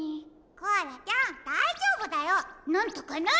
コアラちゃんだいじょうぶだよなんとかなる！